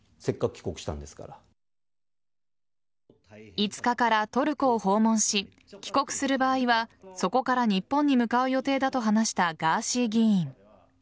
５日からトルコを訪問し帰国する場合はそこから日本に向かう予定だと話したガーシー議員。